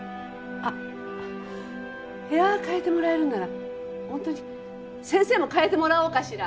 あっ部屋変えてもらえるなら本当に先生も替えてもらおうかしら。